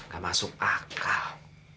gak masuk akal